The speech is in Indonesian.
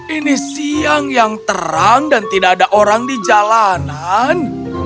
ini siang yang terang dan tidak ada orang di jalanan